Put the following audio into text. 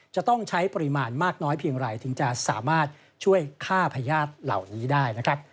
จะต้องใช้ปริมาณมากน้อยเพียงไรถึงจะสามารถช่วยฆ่าพญาติเหล่านี้ได้นะครับ